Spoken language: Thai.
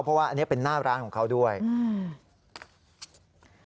เพราะว่าอันนี้เป็นหน้าร้านของเขาด้วยอืม